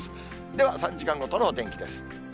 では３時間ごとのお天気です。